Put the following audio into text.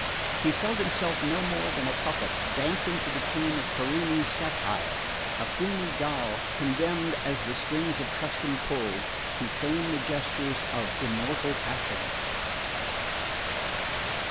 He felt himself no more than a puppet dancing to the tune of Parini's satire, a puny doll condemned, as the strings of custom pulled, to feign the gestures of immortal passions.